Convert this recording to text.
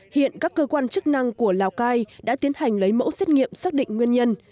hiện các cơ quan chức năng của lào cai đã tiến hành lấy mẫu xét nghiệm xác định nguyên nhân